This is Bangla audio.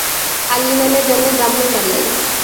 আলী ইমামের জন্ম ব্রাহ্মণবাড়িয়ায়।